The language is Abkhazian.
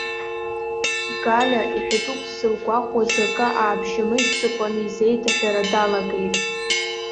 Галиа, иҳәатәуп ззылгәахәуаз акы аабжьамыжьӡакәа, изеиҭаҳәара далагеит.